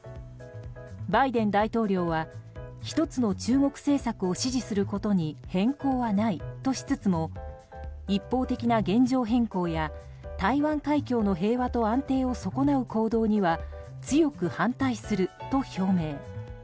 バイデン大統領は１つの中国政策を支持することに変更はないとしつつも一方的な現状変更や台湾海峡の平和と安定を損なう行動には強く反対すると表明。